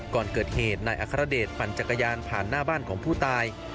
ก่อนเกิดเหตุนายอัครเดชปั่นจักรยานผ่านหน้าบ้านของผู้ตาย